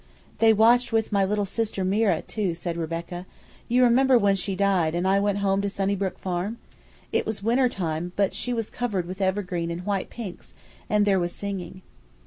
"They watched with my little sister Mira, too," said Rebecca. "You remember when she died, and I went home to Sunnybrook Farm? It was winter time, but she was covered with evergreen and white pinks, and there was singing."